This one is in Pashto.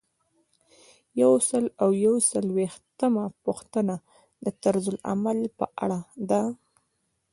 یو سل او یو څلویښتمه پوښتنه د طرزالعمل په اړه ده.